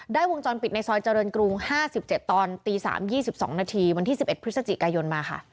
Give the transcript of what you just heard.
วงจรปิดในซอยเจริญกรุง๕๗ตอนตี๓๒๒นาทีวันที่๑๑พฤศจิกายนมาค่ะ